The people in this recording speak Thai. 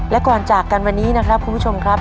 และก่อนจากกันวันนี้นะครับคุณผู้ชมครับ